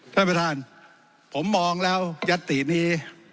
ท่านประธานผมมองแล้วยัตตินี้